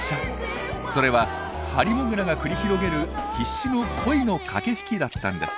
それはハリモグラが繰り広げる必死の恋の駆け引きだったんです。